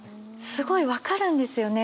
すごい分かるんですよね